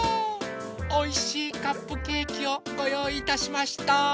おいしいカップケーキをごよういいたしました。